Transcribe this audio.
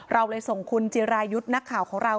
เราเลยส่งคุณจิรายุทธ์นักข่าวของเรา